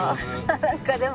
何かでも。